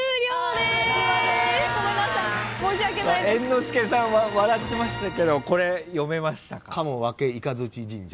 猿之助さんは笑ってましたけどこれ読めましたか？